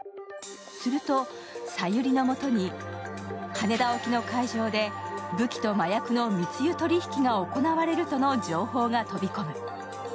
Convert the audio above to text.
すると小百合のもとに羽田沖の海上で武器と麻薬の密輸取り引きが行われるとの情報が飛び込む。